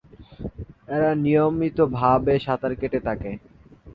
এরা নিয়মিতভাবে সাঁতার কেটে থাকে।